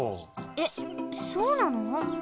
えっそうなの？